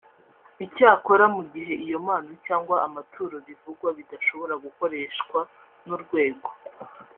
Icyakora mu gihe iyo mpano cyangwa amaturo bivugwa bidashobora gukoreshwa n’urwego